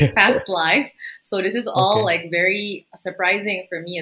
jadi ini juga sangat mengejutkan untuk saya